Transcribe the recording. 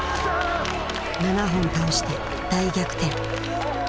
７本倒して大逆転。